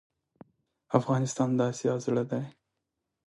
افغانستان دا اسیا زړه ډی